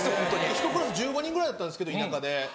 ひとクラス１５人ぐらいだったんですけど田舎で。